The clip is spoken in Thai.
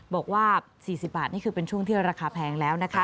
บอกว่า๔๐บาทนี่คือเป็นช่วงที่ราคาแพงแล้วนะคะ